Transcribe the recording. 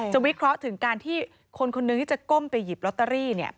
วิเคราะห์ถึงการที่คนคนนึงที่จะก้มไปหยิบลอตเตอรี่